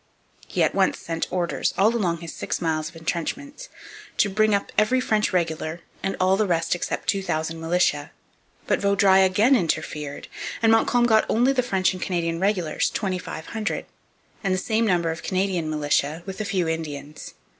He at once sent orders, all along his six miles of entrenchments, to bring up every French regular and all the rest except 2,000 militia. But Vaudreuil again interfered; and Montcalm got only the French and Canadian regulars, 2,500, and the same number of Canadian militia with a few Indians.